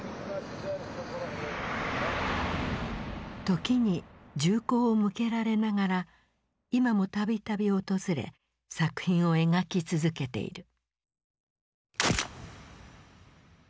時に銃口を向けられながら今も度々訪れ作品を描き続けている。